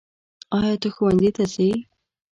ایا ته ښؤونځي ته څې؟